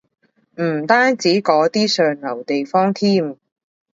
唔單止嗰啲上流地方添